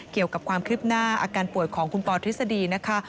เกี่ยวกับความคืบหน้าอาการป่วยของคุณปอทฤษฎีนะคะ